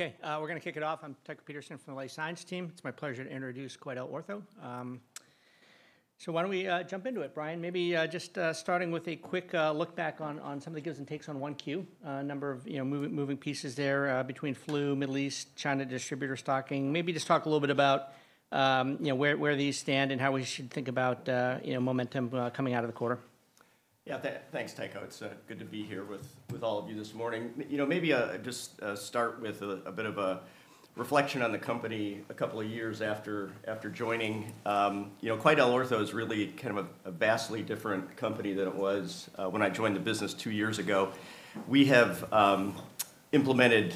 Okay, we're going to kick it off. I'm Tycho Peterson from the life science team. It's my pleasure to introduce QuidelOrtho. Why don't we jump into it, Brian? Maybe just starting with a quick look back on some of the gives and takes on 1Q. A number of moving pieces there between flu, Middle East, China distributor stocking. Maybe just talk a little bit about where these stand and how we should think about momentum coming out of the quarter. Yeah. Thanks, Tycho. It's good to be here with all of you this morning. Maybe just start with a bit of a reflection on the company a couple of years after joining. QuidelOrtho is really a vastly different company than it was when I joined the business two years ago. We have implemented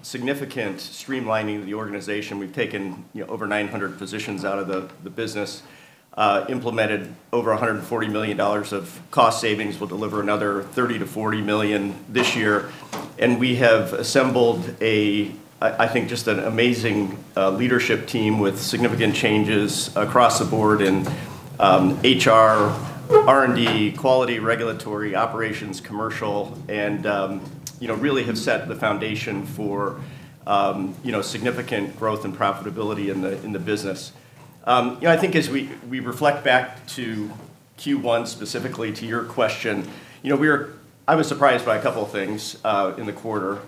significant streamlining of the organization. We've taken over 900 positions out of the business, implemented over $140 million of cost savings. We'll deliver another $30 million-$40 million this year. We have assembled, I think, just an amazing leadership team with significant changes across the board in HR, R&D, quality, regulatory, operations, commercial, and really have set the foundation for significant growth and profitability in the business. I think as we reflect back to Q1, specifically to your question, I was surprised by a couple of things in the quarter.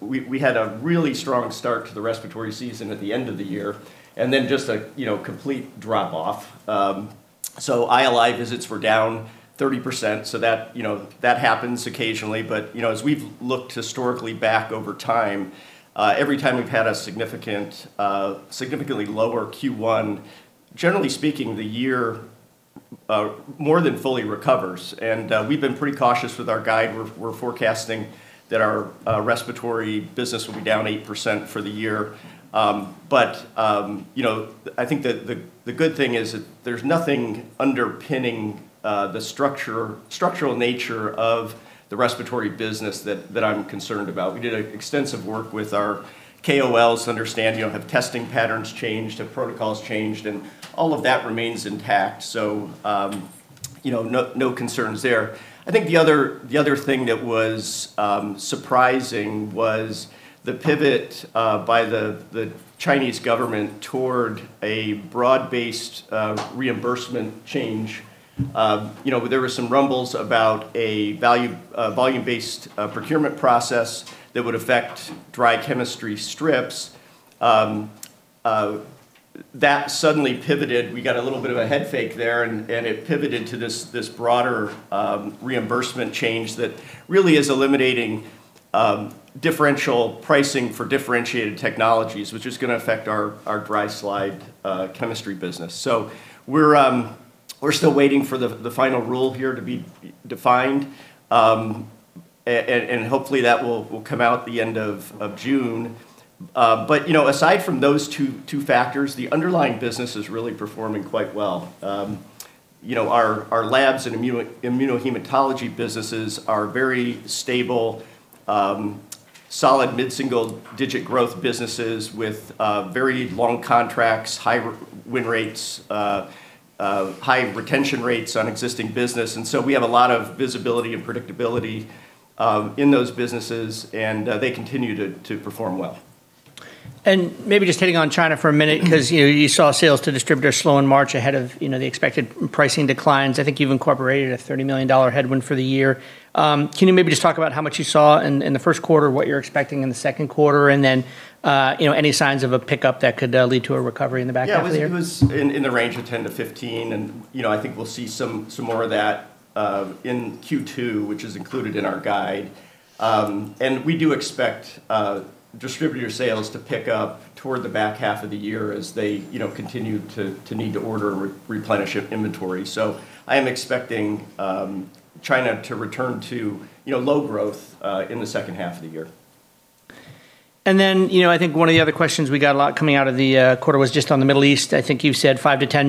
We had a really strong start to the respiratory season at the end of the year, and then just a complete drop-off. ILI visits were down 30%. That happens occasionally. As we've looked historically back over time, every time we've had a significantly lower Q1, generally speaking, the year more than fully recovers, and we've been pretty cautious with our guide. We're forecasting that our respiratory business will be down 8% for the year. I think the good thing is that there's nothing underpinning the structural nature of the respiratory business that I'm concerned about. We did extensive work with our KOLs to understand have testing patterns changed, have protocols changed, and all of that remains intact, so no concerns there. I think the other thing that was surprising was the pivot by the Chinese government toward a broad-based reimbursement change. There were some rumbles about a volume-based procurement process that would affect dry chemistry strips. That suddenly pivoted. We got a little bit of a head fake there, it pivoted to this broader reimbursement change that really is eliminating differential pricing for differentiated technologies, which is going to affect our dry slide chemistry business. We're still waiting for the final rule here to be defined. Hopefully, that will come out at the end of June. Aside from those two factors, the underlying business is really performing quite well. Our labs and immunohematology businesses are very stable, solid mid-single-digit growth businesses with very long contracts, high win rates, high retention rates on existing business, we have a lot of visibility and predictability in those businesses, and they continue to perform well. Maybe just hitting on China for a minute because you saw sales to distributors slow in March ahead of the expected pricing declines. I think you've incorporated a $30 million headwind for the year. Can you maybe just talk about how much you saw in the first quarter, what you're expecting in the second quarter, and then any signs of a pickup that could lead to a recovery in the back half of the year? Yeah. It was in the range of $10 million-$15 million. I think we'll see some more of that in Q2, which is included in our guide. We do expect distributor sales to pick up toward the back half of the year as they continue to need to order and replenish inventory. I am expecting China to return to low growth in the second half of the year. I think one of the other questions we got a lot coming out of the quarter was just on the Middle East. I think you said $5 million-$10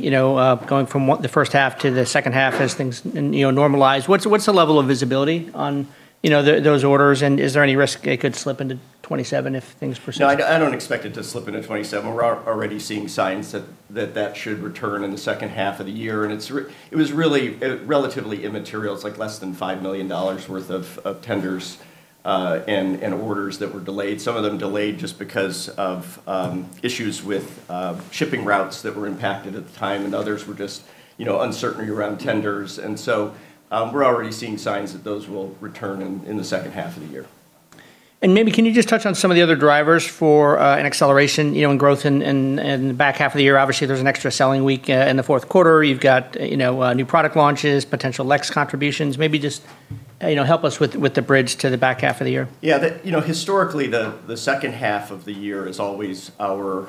million, going from the first half to the second half as things normalize. What's the level of visibility on those orders, and is there any risk it could slip into 2027 if things persist? No, I don't expect it to slip into 2027. We're already seeing signs that that should return in the second half of the year, and it was really relatively immaterial. It's less than $5 million worth of tenders and orders that were delayed. Some of them delayed just because of issues with shipping routes that were impacted at the time, and others were just uncertainty around tenders. We're already seeing signs that those will return in the second half of the year. Maybe can you just touch on some of the other drivers for an acceleration in growth in the back half of the year? Obviously, there's an extra selling week in the fourth quarter. You've got new product launches, potential LEX contributions. Maybe just help us with the bridge to the back half of the year. Yeah. Historically, the second half of the year is always our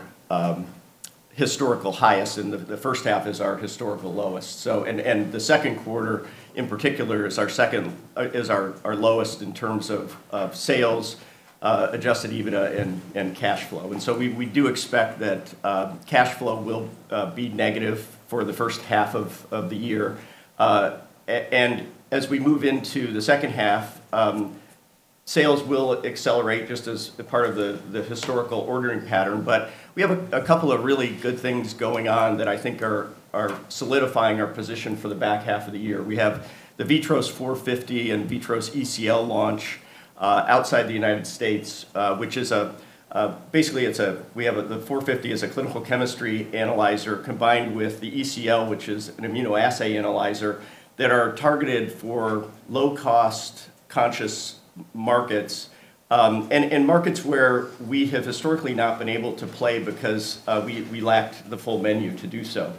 historical highest, and the first half is our historical lowest. The second quarter, in particular, is our lowest in terms of sales, adjusted EBITDA, and cash flow. We do expect that cash flow will be negative for the first half of the year. As we move into the second half, sales will accelerate just as a part of the historical ordering pattern. We have a couple of really good things going on that I think are solidifying our position for the back half of the year. We have the VITROS 450 and VITROS ECL launch outside the United States. Basically, the 450 is a clinical chemistry analyzer combined with the ECL, which is an immunoassay analyzer, that are targeted for low-cost conscious markets, and in markets where we have historically not been able to play because we lacked the full menu to do so.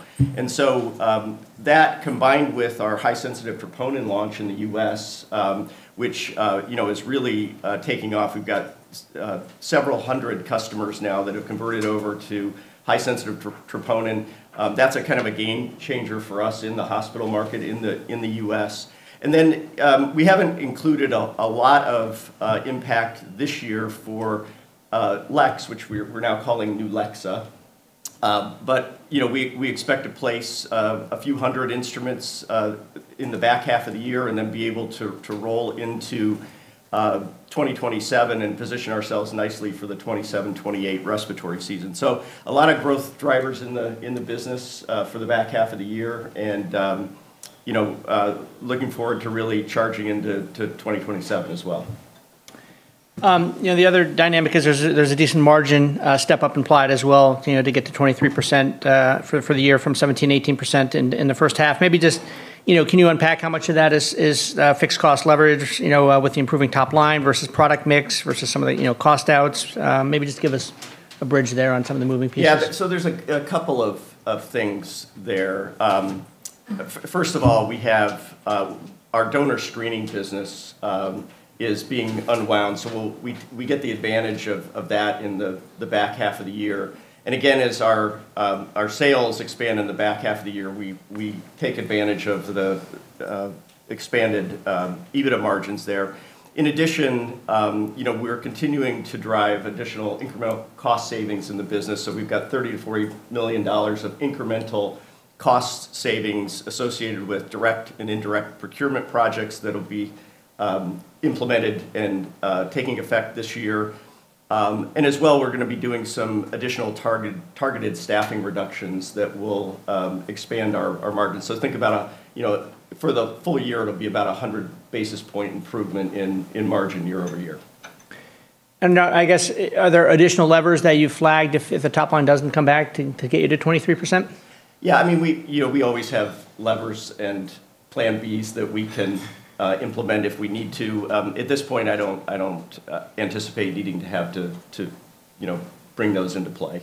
That combined with our high-sensitivity troponin launch in the U.S., which is really taking off. We've got several hundred customers now that have converted over to high-sensitivity troponin. That's a game changer for us in the hospital market in the U.S. We haven't included a lot of impact this year for LEX, which we're now calling NULEXA. We expect to place a few hundred instruments in the back half of the year and then be able to roll into 2027 and position ourselves nicely for the 2027, 2028 respiratory season. A lot of growth drivers in the business for the back half of the year, and looking forward to really charging into 2027 as well. The other dynamic is there's a decent margin step-up implied as well to get to 23% for the year from 17%-18% in the first half. Maybe just can you unpack how much of that is fixed cost leverage with the improving top line versus product mix versus some of the cost outs? Maybe just give us a bridge there on some of the moving pieces. Yeah. There's a couple of things there. First of all, we have our donor screening business is being unwound, so we get the advantage of that in the back half of the year. Again, as our sales expand in the back half of the year, we take advantage of the expanded EBITDA margins there. In addition, we are continuing to drive additional incremental cost savings in the business. We've got $30 million-$40 million of incremental cost savings associated with direct and indirect procurement projects that'll be implemented and taking effect this year. As well, we're going to be doing some additional targeted staffing reductions that will expand our margins. Think about for the full year, it'll be about 100 basis point improvement in margin year-over-year. Now, I guess, are there additional levers that you flagged if the top line doesn't come back to get you to 23%? Yeah. We always have levers and plan Bs that we can implement if we need to. At this point, I don't anticipate needing to have to bring those into play.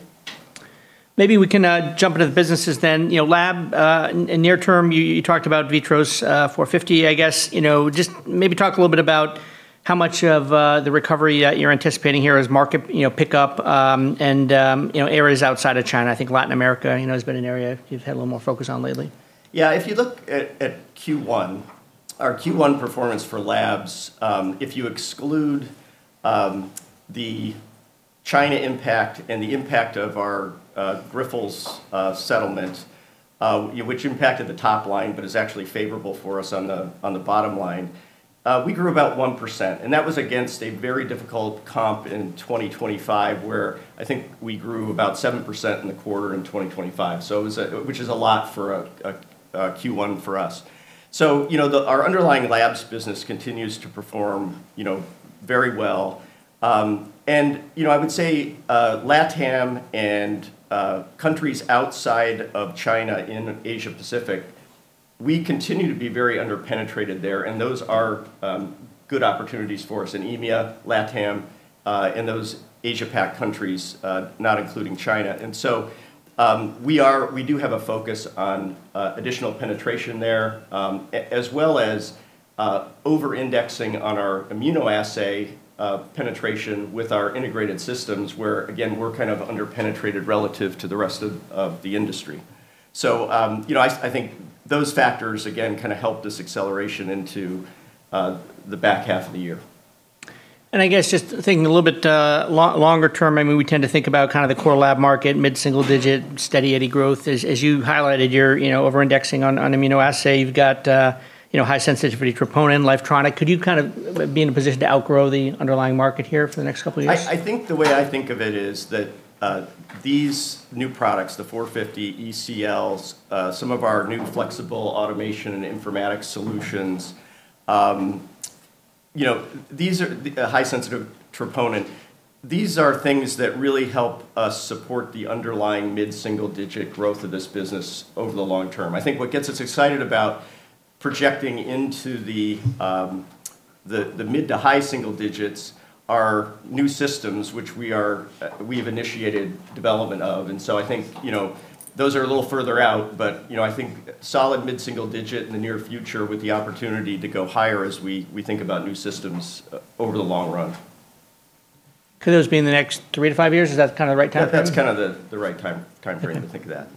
Maybe we can jump into the businesses then. Lab, in near term, you talked about VITROS 450. I guess, just maybe talk a little bit about how much of the recovery you're anticipating here as market pick up and areas outside of China. I think Latin America has been an area you've had a little more focus on lately. If you look at Q1, our Q1 performance for labs, if you exclude the China impact and the impact of our Grifols settlement, which impacted the top line but is actually favorable for us on the bottom line, we grew about 1%. That was against a very difficult comp in 2025, where I think we grew about 7% in the quarter in 2025, which is a lot for a Q1 for us. Our underlying labs business continues to perform very well. I would say LATAM and countries outside of China in Asia Pacific, we continue to be very under-penetrated there, and those are good opportunities for us in EMEA, LATAM, and those Asia PAC countries, not including China. We do have a focus on additional penetration there, as well as over-indexing on our immunoassay penetration with our integrated systems where, again, we're kind of under-penetrated relative to the rest of the industry. I think those factors, again, help this acceleration into the back half of the year. I guess just thinking a little bit longer term, maybe we tend to think about the core lab market, mid-single digit, Steady Eddie growth. As you highlighted, you're over-indexing on immunoassay. You've got high-sensitivity troponin, Lifotronic. Could you be in a position to outgrow the underlying market here for the next couple of years? I think the way I think of it is that these new products, the 450, ECLs, some of our new flexible automation and informatics solutions, a high sensitive troponin, these are things that really help us support the underlying mid-single digit growth of this business over the long term. I think what gets us excited about projecting into the mid to high single digits are new systems which we have initiated development of, and so I think those are a little further out, but I think solid mid-single digit in the near future with the opportunity to go higher as we think about new systems over the long run. Could those be in the next three to five years? Is that the right timeframe? That's the right timeframe to think of that.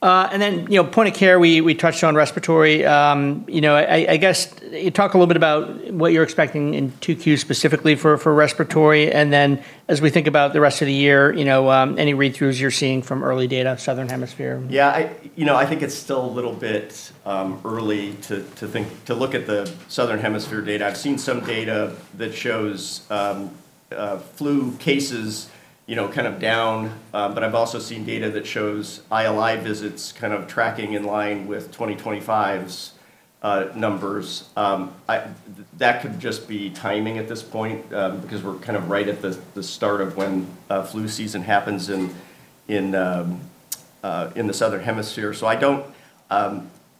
Point of care, we touched on respiratory. I guess, talk a little bit about what you're expecting in 2Q specifically for respiratory, and then as we think about the rest of the year, any read-throughs you're seeing from early data, Southern Hemisphere? Yeah. I think it's still a little bit early to look at the Southern Hemisphere data. I've seen some data that shows flu cases down, but I've also seen data that shows ILI visits tracking in line with 2025's numbers. That could just be timing at this point, because we're right at the start of when flu season happens in the Southern Hemisphere.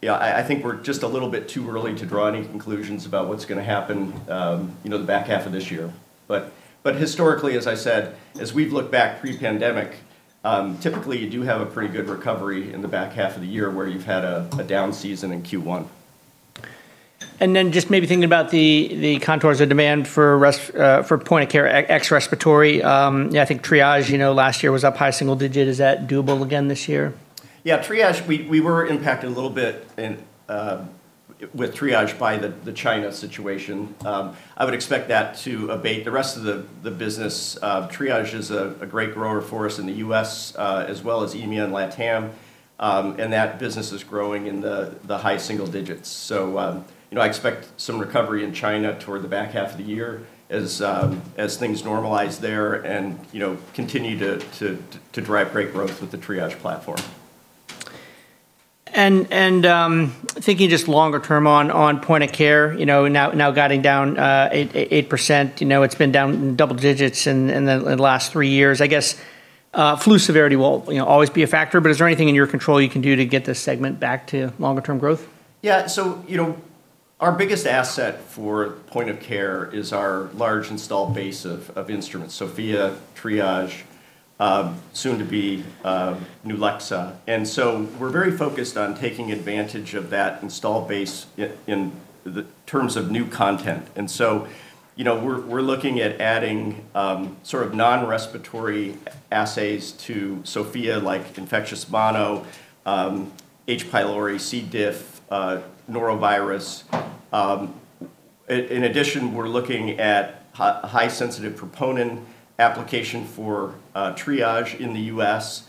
I think we're just a little bit too early to draw any conclusions about what's going to happen the back half of this year. Historically, as I said, as we've looked back pre-pandemic, typically you do have a pretty good recovery in the back half of the year, where you've had a down season in Q1. Just maybe thinking about the contours of demand for point-of-care ex-respiratory. Yeah, I think Triage last year was up high single digit. Is that doable again this year? Yeah, Triage, we were impacted a little bit with Triage by the China situation. I would expect that to abate. The rest of the business of Triage is a great grower for us in the U.S., as well as EMEA and LATAM. That business is growing in the high single digits. I expect some recovery in China toward the back half of the year as things normalize there and continue to drive great growth with the Triage platform. Thinking just longer term on point of care, now guiding down 8%. It's been down double digits in the last three years. I guess flu severity will always be a factor, but is there anything in your control you can do to get this segment back to longer term growth? Our biggest asset for point of care is our large installed base of instruments, SOFIA, Triage, soon to be NULEXA. We're very focused on taking advantage of that installed base in terms of new content. We're looking at adding non-respiratory assays to SOFIA, like infectious mono, H. pylori, C. diff, norovirus. In addition, we're looking at high sensitive troponin application for Triage in the U.S.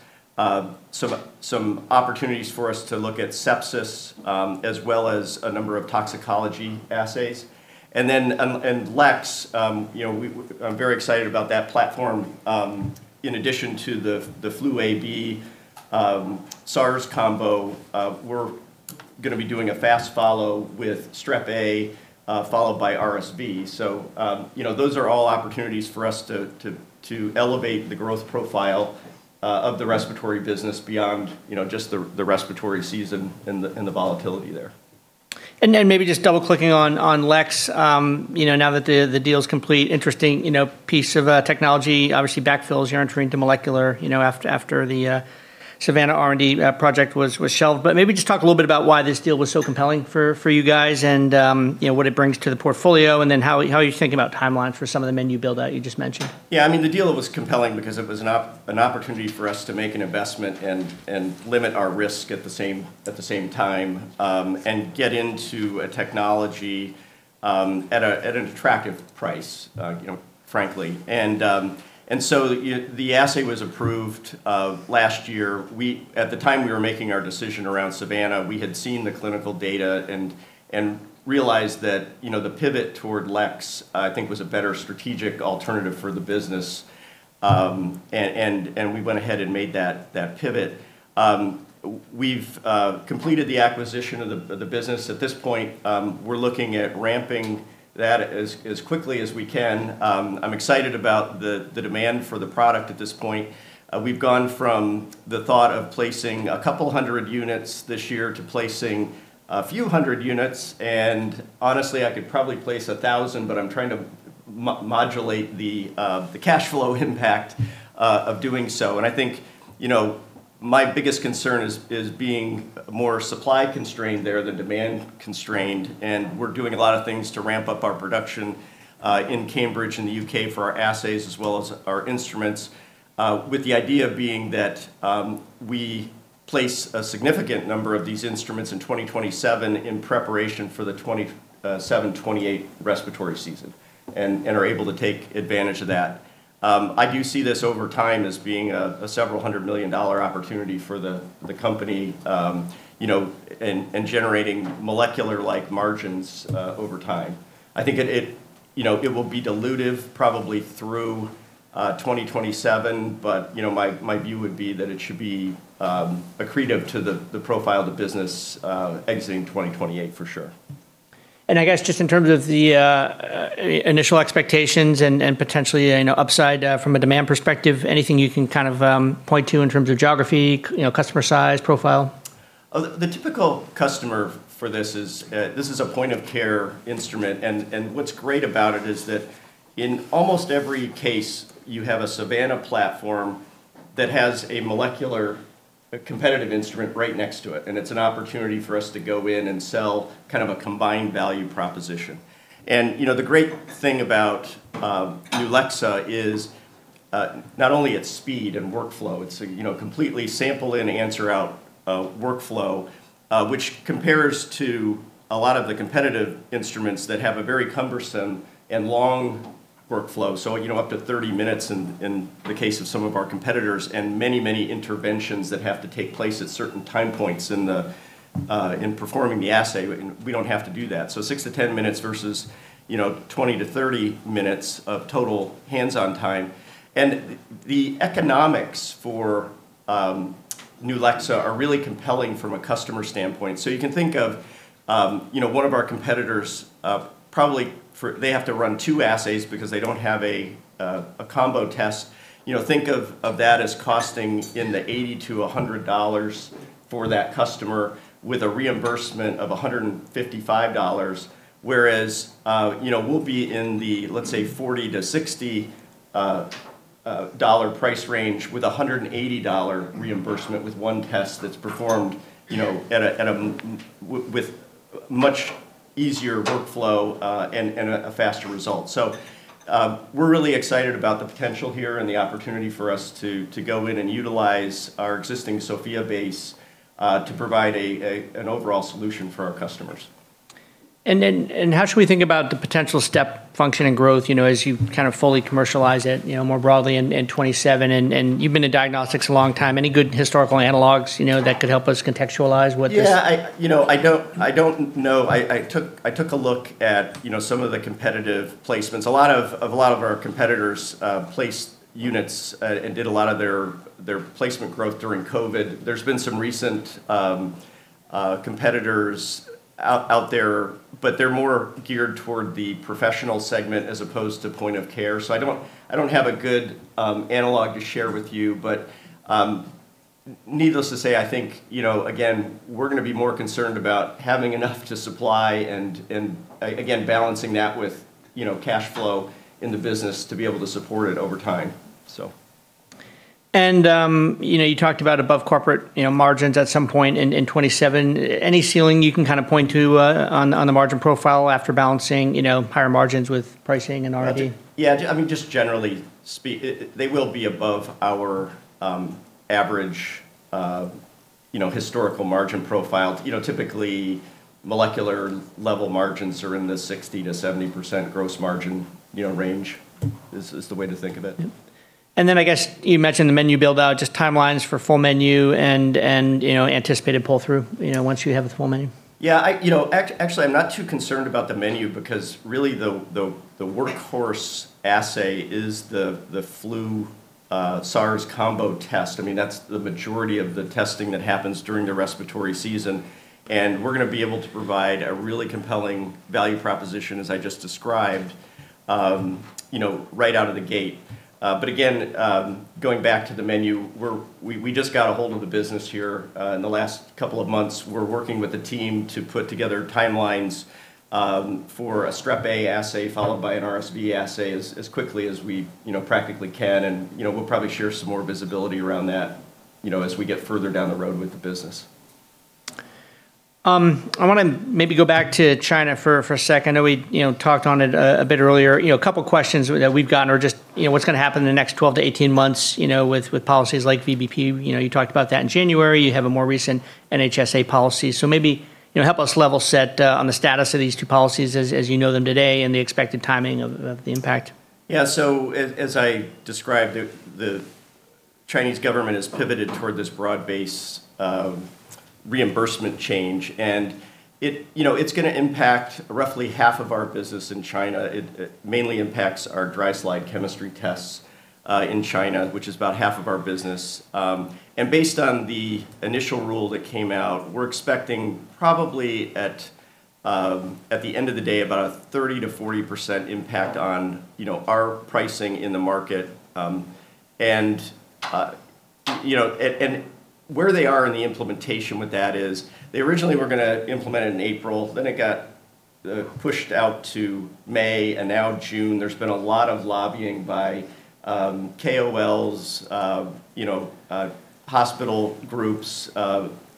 Some opportunities for us to look at sepsis, as well as a number of toxicology assays. LEX, I'm very excited about that platform. In addition to the flu A/B SARS combo, we're going to be doing a fast follow with strep A, followed by RSV. Those are all opportunities for us to elevate the growth profile of the respiratory business beyond just the respiratory season and the volatility there. Maybe just double-clicking on LEX, now that the deal's complete, interesting piece of technology, obviously backfills your entry into molecular, after the SAVANNA R&D project was shelved. just talk a little bit about why this deal was so compelling for you guys and what it brings to the portfolio, and then how are you thinking about timeline for some of the menu build-out you just mentioned? Yeah. The deal was compelling because it was an opportunity for us to make an investment and limit our risk at the same time, and get into a technology, at an attractive price, frankly. The assay was approved last year. At the time we were making our decision around SAVANNA, we had seen the clinical data and realized that the pivot toward LEX, I think was a better strategic alternative for the business. We went ahead and made that pivot. We've completed the acquisition of the business. At this point, we're looking at ramping that as quickly as we can. I'm excited about the demand for the product at this point. We've gone from the thought of placing a couple hundred units this year to placing a few hundred units. Honestly, I could probably place a thousand, but I'm trying to modulate the cash flow impact of doing so. I think, my biggest concern is being more supply-constrained there than demand-constrained. We're doing a lot of things to ramp up our production in Cambridge and the U.K. for our assays as well as our instruments. With the idea being that we place a significant number of these instruments in 2027 in preparation for the 2027, 2028 respiratory season and are able to take advantage of that. I do see this over time as being a several hundred million dollar opportunity for the company, and generating molecular-like margins over time. I think it will be dilutive probably through 2027. My view would be that it should be accretive to the profile of the business exiting 2028 for sure. I guess just in terms of the initial expectations and potentially upside from a demand perspective, anything you can point to in terms of geography, customer size, profile? The typical customer for this is a point-of-care instrument, and what's great about it is that in almost every case, you have a SAVANNA platform that has a molecular competitive instrument right next to it, and it's an opportunity for us to go in and sell a combined value proposition. The great thing about NULEXA is not only its speed and workflow, it's a completely sample in, answer out workflow, which compares to a lot of the competitive instruments that have a very cumbersome and long workflow. Up to 30 minutes in the case of some of our competitors, and many interventions that have to take place at certain time points in performing the assay. We don't have to do that. 6-10 minutes versus 20-30 minutes of total hands-on time. The economics for NULEXA are really compelling from a customer standpoint. You can think of one of our competitors, probably they have to run two assays because they don't have a combo test. Think of that as costing in the $80-$100 for that customer with a reimbursement of $155, whereas we'll be in the, let's say, $40-$60 price range with $180 reimbursement with one test that's performed with much easier workflow and a faster result. We're really excited about the potential here and the opportunity for us to go in and utilize our existing SOFIA base to provide an overall solution for our customers. How should we think about the potential step function and growth as you fully commercialize it more broadly in 2027? You've been in diagnostics a long time. Any good historical analogs that could help us contextualize what this? I don't know. I took a look at some of the competitive placements. A lot of our competitors placed units and did a lot of their placement growth during COVID. There's been some recent competitors out there, but they're more geared toward the professional segment as opposed to point of care. I don't have a good analog to share with you, but needless to say, I think, again, we're going to be more concerned about having enough to supply and, again, balancing that with cash flow in the business to be able to support it over time. You talked about above corporate margins at some point in 2027. Any ceiling you can point to on the margin profile after balancing higher margins with pricing and R&D? Yeah. Just generally speaking, they will be above our average historical margin profile. Typically, molecular-level margins are in the 60%-70% gross margin range, is the way to think of it. I guess you mentioned the menu build-out, just timelines for full menu and anticipated pull-through once you have the full menu. Yeah. Actually, I'm not too concerned about the menu because really the workhorse assay is the Flu SARS combo test. That's the majority of the testing that happens during the respiratory season, and we're going to be able to provide a really compelling value proposition, as I just described, right out of the gate. Again, going back to the menu, we just got a hold of the business here in the last couple of months. We're working with a team to put together timelines for a Strep A assay, followed by an RSV assay as quickly as we practically can. We'll probably share some more visibility around that as we get further down the road with the business. I want to maybe go back to China for a second. I know we talked on it a bit earlier. A couple of questions that we've gotten are just what's going to happen in the next 12-18 months with policies like VBP. You talked about that in January. You have a more recent NHSA policy. Maybe help us level set on the status of these two policies as you know them today and the expected timing of the impact. As I described, the Chinese government has pivoted toward this broad-based reimbursement change, and it's going to impact roughly half of our business in China. It mainly impacts our dry slide chemistry tests in China, which is about half of our business. Based on the initial rule that came out, we're expecting probably at the end of the day, about a 30%-40% impact on our pricing in the market. Where they are in the implementation with that is they originally were going to implement it in April, then it got pushed out to May and now June. There's been a lot of lobbying by KOLs, hospital groups,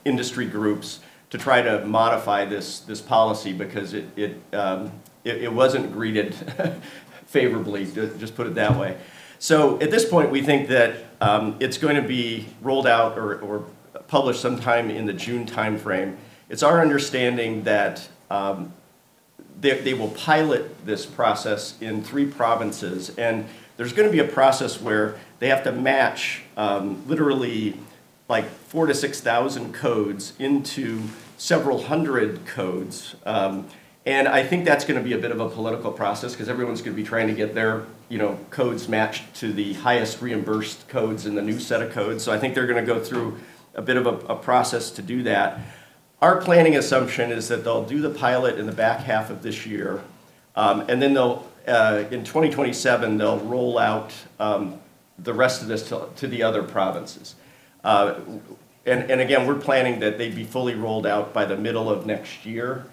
industry groups to try to modify this policy because it wasn't greeted favorably, just put it that way. At this point, we think that it's going to be rolled out or published sometime in the June timeframe. It's our understanding that they will pilot this process in three provinces, and there's going to be a process where they have to match literally 4,000-6,000 codes into several hundred codes. I think that's going to be a bit of a political process because everyone's going to be trying to get their codes matched to the highest reimbursed codes in the new set of codes. I think they're going to go through a bit of a process to do that. Our planning assumption is that they'll do the pilot in the back half of this year, in 2027, they'll roll out the rest of this to the other provinces. Again, we're planning that they'd be fully rolled out by the middle of next year.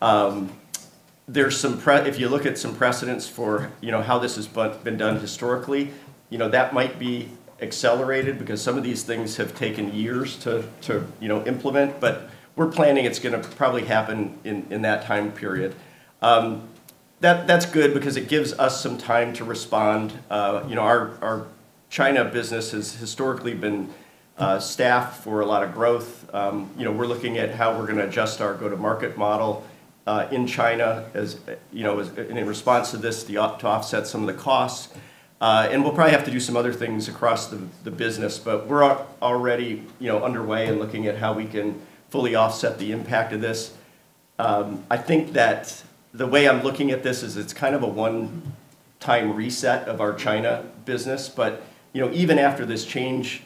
If you look at some precedents for how this has been done historically, that might be accelerated because some of these things have taken years to implement. We're planning it's going to probably happen in that time period. That's good because it gives us some time to respond. Our China business has historically been staffed for a lot of growth. We're looking at how we're going to adjust our go-to-market model in China in response to this to offset some of the costs. We'll probably have to do some other things across the business, but we're already underway and looking at how we can fully offset the impact of this. I think that the way I'm looking at this is it's kind of a one-time reset of our China business. Even after this change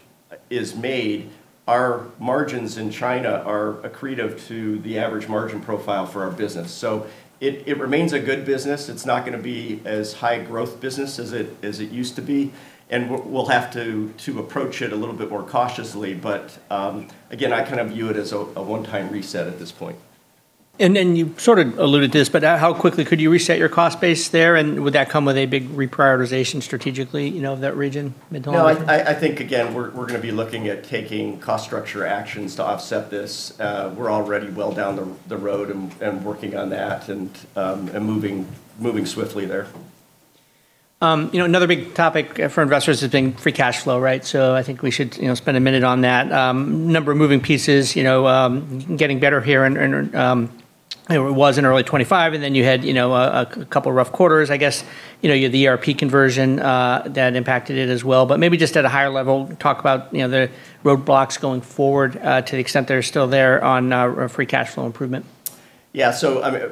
is made, our margins in China are accretive to the average margin profile for our business. It remains a good business. It's not going to be as high growth business as it used to be, and we'll have to approach it a little bit more cautiously. Again, I view it as a one-time reset at this point. You sort of alluded to this, but how quickly could you reset your cost base there? Would that come with a big reprioritization strategically, of that region, mid to long term? No, I think again, we're going to be looking at taking cost structure actions to offset this. We're already well down the road and working on that and moving swiftly there. Another big topic for investors has been free cash flow, right? I think we should spend a minute on that. Number of moving pieces, getting better here, and it was in early 2025, and then you had a couple rough quarters, I guess. You had the ERP conversion that impacted it as well. Maybe just at a higher level, talk about the roadblocks going forward to the extent they're still there on free cash flow improvement. Yeah.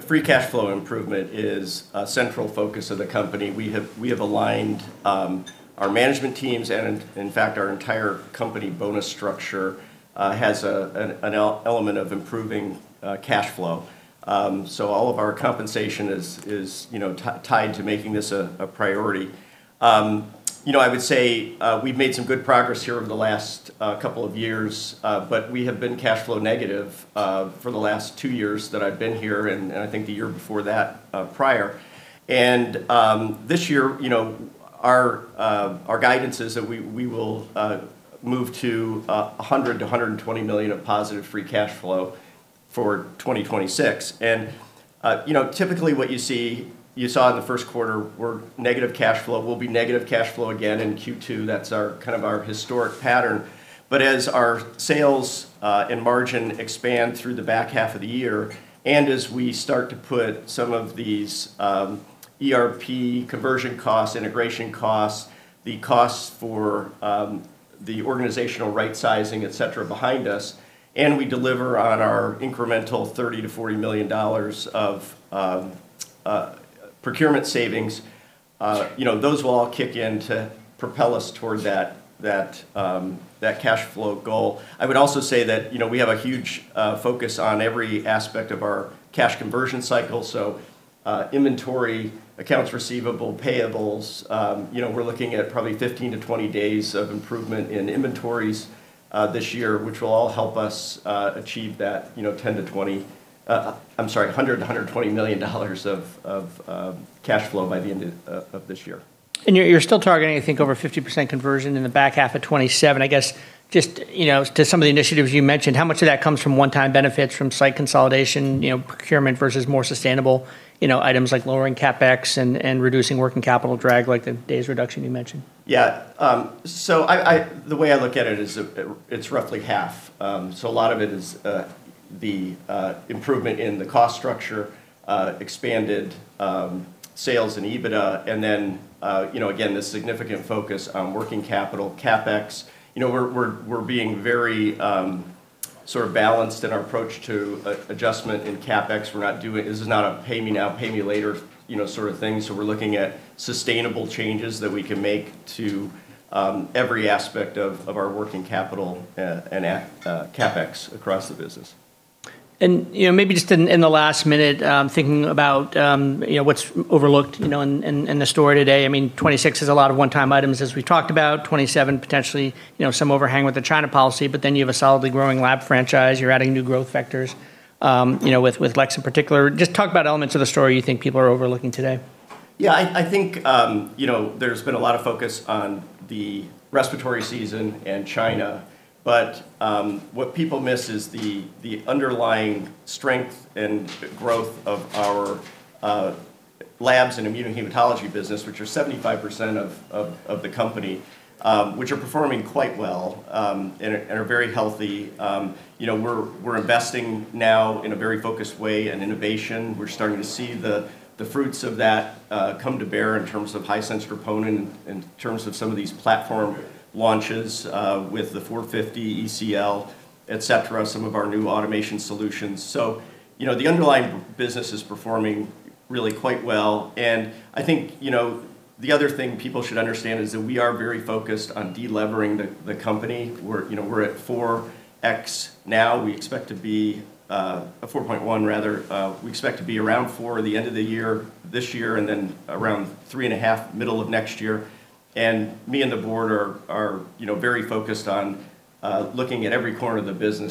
Free cash flow improvement is a central focus of the company. We have aligned our management teams, and in fact, our entire company bonus structure has an element of improving cash flow. All of our compensation is tied to making this a priority. I would say we've made some good progress here over the last couple of years. We have been cash flow negative for the last two years that I've been here, and I think the year before that, prior. This year, our guidance is that we will move to $100 million-$120 million of positive free cash flow for 2026. Typically what you saw in the first quarter were negative cash flow, will be negative cash flow again in Q2. That's our historic pattern. As our sales and margin expand through the back half of the year, and as we start to put some of these ERP conversion costs, integration costs, the costs for the organizational rightsizing, et cetera, behind us, and we deliver on our incremental $30 million-$40 million of procurement savings, those will all kick in to propel us towards that cash flow goal. I would also say that we have a huge focus on every aspect of our cash conversion cycle. Inventory, accounts receivable, payables. We're looking at probably 15-20 days of improvement in inventories this year, which will all help us achieve that $100 million-$120 million of cash flow by the end of this year. You're still targeting, I think, over 50% conversion in the back half of 2027. I guess just to some of the initiatives you mentioned, how much of that comes from one-time benefits from site consolidation, procurement versus more sustainable items like lowering CapEx and reducing working capital drag like the days reduction you mentioned? Yeah. The way I look at it is it's roughly half. A lot of it is the improvement in the cost structure, expanded sales and EBITDA, and then again, this significant focus on working capital, CapEx. We're being very balanced in our approach to adjustment in CapEx. This is not a pay me now, pay me later sort of thing. We're looking at sustainable changes that we can make to every aspect of our working capital and CapEx across the business. Maybe just in the last minute, thinking about what's overlooked in the story today. I mean, 2026 is a lot of one-time items, as we talked about, 2027 potentially some overhang with the China policy, but then you have a solidly growing lab franchise. You're adding new growth vectors with LEX in particular. Talk about elements of the story you think people are overlooking today. Yeah, I think there's been a lot of focus on the respiratory season and China. What people miss is the underlying strength and growth of our labs and immunohematology business, which are 75% of the company, which are performing quite well and are very healthy. We're investing now in a very focused way in innovation. We're starting to see the fruits of that come to bear in terms of high-sensitivity troponin, in terms of some of these platform launches with the 450, ECL, etc., some of our new automation solutions. The underlying business is performing really quite well. I think, the other thing people should understand is that we are very focused on de-levering the company. We're at 4x now. 4.1x rather. We expect to be around 4x the end of the year this year, and then around 3.5x middle of next year. Me and the board are very focused on looking at every corner of the business.